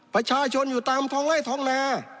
ประชาชนอยู่ตามท้องไล่ท้องนา